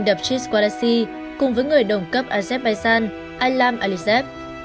đập chiến của iran ibrahim raisi cùng với người đồng cấp azerbaijan alam alizeb